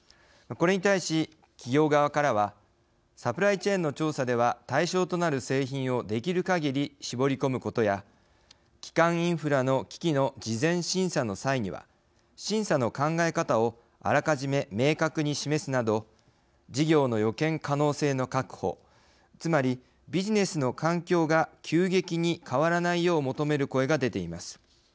これに対し、企業側からはサプライチェーンの調査では対象となる製品をできるかぎり絞り込むことや基幹インフラの機器の事前審査の際には審査の考え方をあらかじめ明確に示すなど事業の予見可能性の確保＝つまり、ビジネスの環境が急激に変わらないよう求める声が出ています。